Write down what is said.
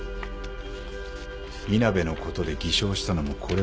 稲辺のことで偽証したのもこれが理由だな。